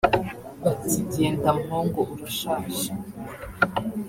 bati “Genda Mpongo urashaje